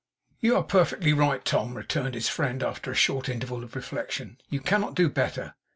'You are perfectly right, Tom,' returned his friend, after a short interval of reflection. 'You cannot do better.